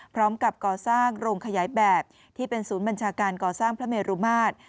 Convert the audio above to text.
พร้อมกับก่อสร้างโรงขยายแบบที่เป็นศูนย์บัญชาการก่อสร้างพระเมรุมาตร